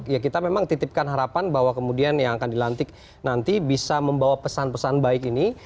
ya kita memang titipkan harapan bahwa kemudian yang akan dilantik nanti bisa membawa pesan pesan baik ini